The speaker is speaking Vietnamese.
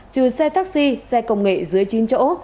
trừ xe taxi xe công nghệ dưới chín chỗ